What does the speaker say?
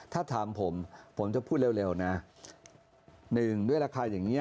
ถ้าถามผมผมจะพูดเร็วนะหนึ่งด้วยราคาอย่างนี้